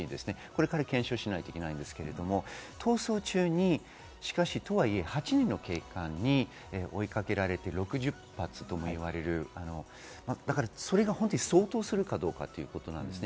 これから検証しないといけないんですけれども、逃走中にしかし、とはいえ、８人の警官に追いかけられて、６０発ともいわれる、それが本当に相当するかということです。